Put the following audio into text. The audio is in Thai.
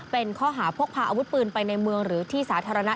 เป็นข้อหาพกพาอาวุธปืนไปในเมืองหรือที่สาธารณะ